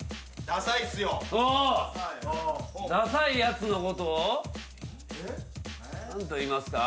ダサいやつのことを何と言いますか？